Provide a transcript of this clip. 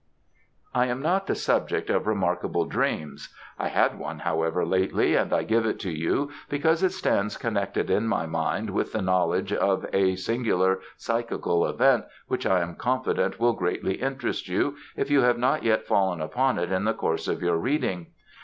I am not the subject of remarkable dreams. I had one, however, lately, and I give it you because it stands connected in my mind with the knowledge of a singular psychical fact which I am confident will greatly interest you, if you have not yet fallen upon it in the course of your reading.